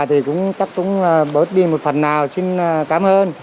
thì cũng chắc cũng bớt đi một phần nào xin cảm ơn